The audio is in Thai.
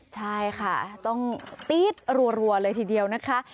ใช่ค่ะต้องตี๊ดรัวเลยทีเดียวนะคะ